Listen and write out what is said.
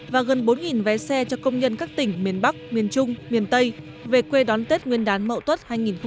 và gần bốn vé xe cho công nhân các tỉnh miền bắc miền trung miền tây về quê đón tết nguyên đán mậu tuất hai nghìn hai mươi